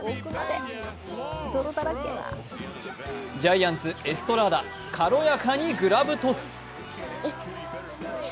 ジャイアンツ・エストラーダ、軽やかにグラブトス。